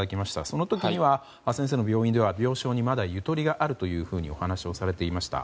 その時は、先生の病院では病床にまだゆとりがあるとお話をされていました。